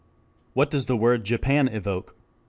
What does the word "Japan" evoke?